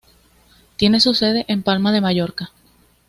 Tiene su sede en Palma de Mallorca.